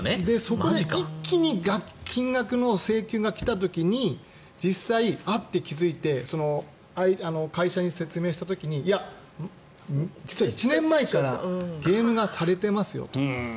そこで一気に金額の請求が来た時に実際、気付いて会社に説明した時にいや、実は１年前からゲーム、されてますよと。